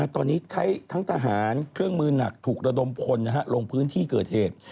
ตอนนี้ใช้ทั้งทหารเครื่องมือหนักถูกระดมพลลงพื้นที่เกิดเหตุ